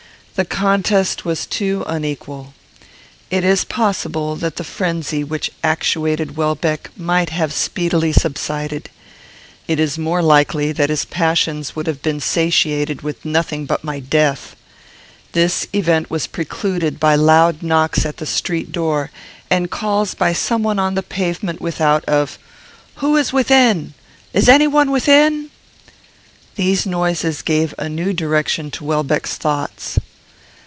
The contest was too unequal. It is possible that the frenzy which actuated Welbeck might have speedily subsided. It is more likely that his passions would have been satiated with nothing but my death. This event was precluded by loud knocks at the street door, and calls by some one on the pavement without, of "Who is within? Is any one within?" These noises gave a new direction to Welbeck's thoughts.